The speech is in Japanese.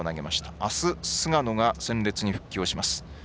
あす菅野が戦列に復帰します。